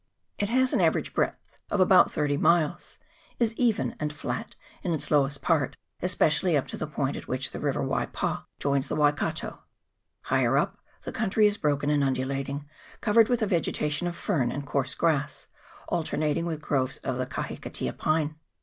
It has an average breadth of about CHAP. XXIV.] WAIPA VALLEY. 333 thirty miles ; is even and flat in its lower part, espe cially up to the point at which the river Waipa joins the Waikato : higher up the country is broken and undulating, covered with a vegetation of fern and coarse grass, alternating with groves of the kahikatea pine.